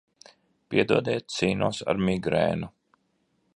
Piedodiet, cīnos ar migrēnu.